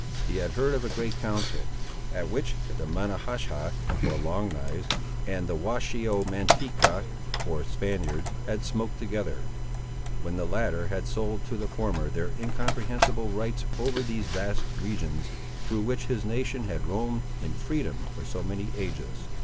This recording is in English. He had heard of a great council, at which the Menahashah, or Long knives, and the Washsheomantiqua, or Spaniards, had smoked together, when the latter had sold to the former their incomprehensible rights over those vast regions, through which his nation had roamed, in freedom, for so many ages.